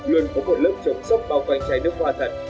luôn có một lớp chống sốc bao quanh chai nước hoa thật